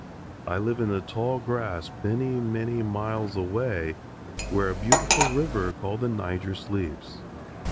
I live in the tall grass many, many miles away, where a beautiful river called the Niger sleeps."